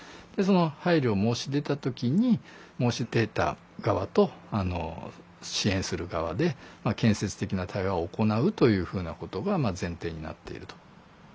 でその配慮を申し出た時に申し出た側と支援する側で建設的な対話を行うというふうなことが前提になっていると。